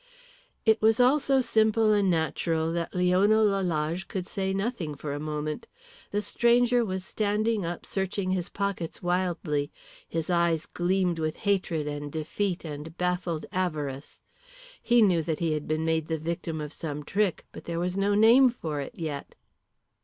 It was all so simple and natural that Leona Lalage could say nothing for a moment. The stranger was standing up searching his pockets wildly. His eyes gleamed with hatred and defeat and baffled avarice. He knew that he had been made the victim of some trick, but there was no name for it yet.